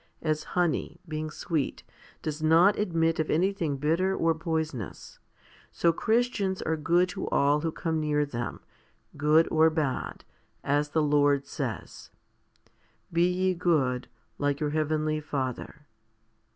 As honey, being sweet, does not admit of anything bitter or poisonous, so Christians are good to all who come near them, good or bad, as the Lord says, Be ye good, like your heavenly Father.